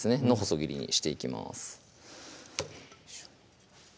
細切りにしていきます